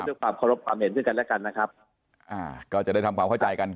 เพื่อความเคารพความเห็นซึ่งกันและกันนะครับอ่าก็จะได้ทำความเข้าใจกัน